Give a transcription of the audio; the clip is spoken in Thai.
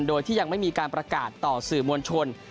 โดยที่ยังไม่มีการประกาศต่อสื่อมวลชน